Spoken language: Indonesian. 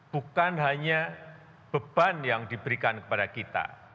bukan hanya beban yang diberikan kepada kita